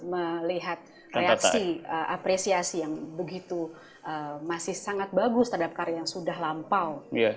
apa yang kamu lihat reaksi apresiasi yang begitu masih sangat bagus terhadap karya yang sudah lampau